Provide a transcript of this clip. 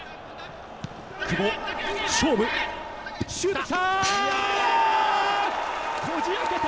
久保、勝負、シュートきた！